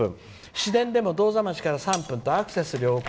市電でも銅座町から３分とアクセス良好」。